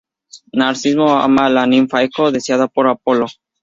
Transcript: Narciso ama a la ninfa Eco, deseada por Apolo.